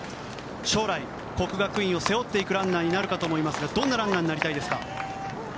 将来、國學院を背負っていくランナーになるかと思いますがどんなランナーになりたいですか？